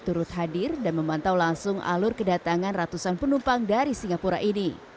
turut hadir dan memantau langsung alur kedatangan ratusan penumpang dari singapura ini